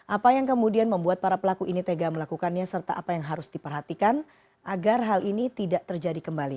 apa yang kemudian membuat para pelaku ini tega melakukannya serta apa yang harus diperhatikan agar hal ini tidak terjadi kembali